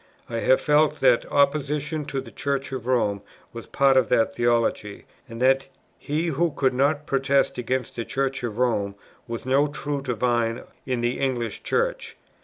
I have felt, that opposition to the Church of Rome was part of that theology; and that he who could not protest against the Church of Rome was no true divine in the English Church.